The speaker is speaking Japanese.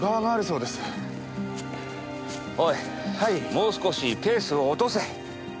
もう少しペースを落とせ。